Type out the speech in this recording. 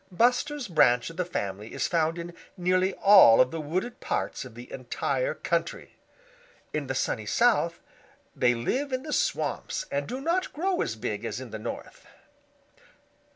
Buster's branch of the family is found in nearly all of the wooded parts of the entire country. In the Sunny South they live in the swamps and do not grow as big as in the North.